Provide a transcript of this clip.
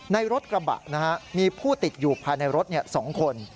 ในรถกระบะมีผู้ติดอยู่ภายในรถ๒คน